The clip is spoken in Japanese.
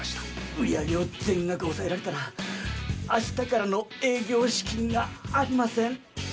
売り上げを全額押さえられたら明日からの営業資金がありません。